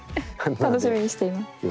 楽しみにしています。